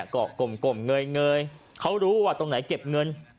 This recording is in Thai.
เกาะกลมเงยเขารู้ว่าตรงไหนเก็บเงิน